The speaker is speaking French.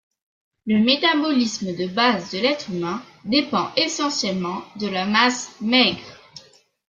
Le métabolisme de base de l'être humain dépend essentiellement de la masse maigre.